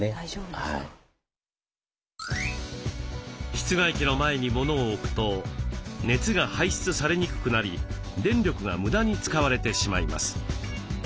室外機の前に物を置くと熱が排出されにくくなり電力が無駄に使われてしまいます。